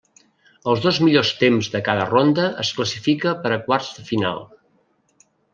Els dos millors temps de cada ronda es classifica per a quarts de final.